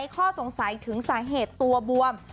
ข้อสงสัยถึงสาเหตุตัวบวม